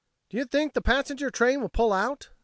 "Do you think the passenger train will pull out?"